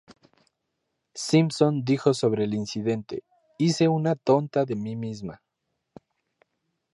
Simpson dijo sobre el incidente, "hice una tonta de mí misma".